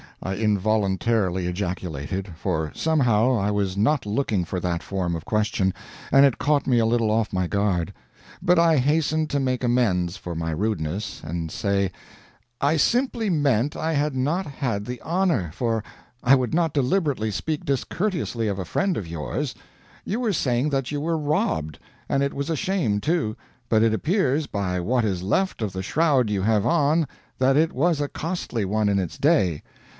I involuntarily ejaculated, for somehow I was not looking for that form of question, and it caught me a little off my guard. But I hastened to make amends for my rudeness, and say, "I simply meant I had not had the honor for I would not deliberately speak discourteously of a friend of yours. You were saying that you were robbed and it was a shame, too but it appears by what is left of the shroud you have on that it was a costly one in its day.